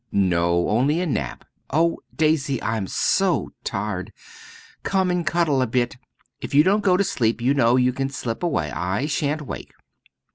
"No only a nap. Oh! Daisy, I'm so tired. Come and cuddlie a bit! If you don't go to sleep you know you can slip away I shan't wake."